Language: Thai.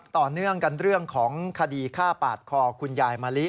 ต่อเนื่องกันเรื่องของคดีฆ่าปาดคอคุณยายมะลิ